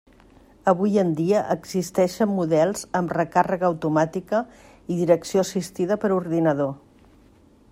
Avui en dia existeixen models amb recàrrega automàtica i direcció assistida per ordinador.